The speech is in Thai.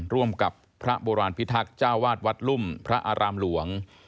ร่วมกับพระโบราณพิทักษ์เจ้าวาดวัดลุ่มพระอารามหลวง